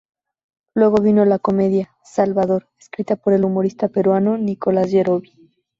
Luego vino la comedia "Salvador" escrita por el humorista peruano Nicolás Yerovi.